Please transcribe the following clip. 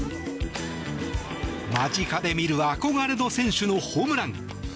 間近で見る憧れの選手のホームラン。